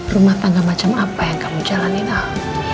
rumah tangga macam apa yang kamu jalanin al